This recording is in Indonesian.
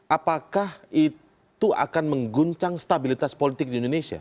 apakah itu akan mengguncang stabilitas politik di indonesia